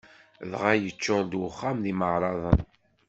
Dɣa yeččuṛ-d uxxam d imeɛraḍen.